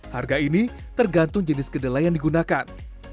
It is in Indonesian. harga ini tergantung jenis kedelai yang digunakan